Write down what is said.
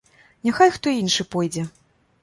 Няхай хто іншы пойдзе.